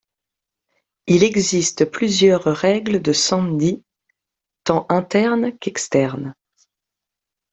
Il existe plusieurs règles de sandhi, tant internes qu'externes.